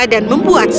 dan mencari putrinya